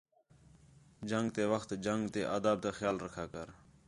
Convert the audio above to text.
جنگ تے وخت جنگ تے آداب تا خیال رکھا کر